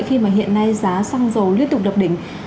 khi mà hiện nay giá xăng dầu liên tục đập đỉnh